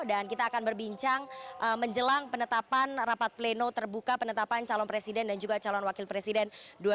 dan kita akan berbincang menjelang penetapan rapat pleno terbuka penetapan calon presiden dan juga calon wakil presiden dua ribu sembilan belas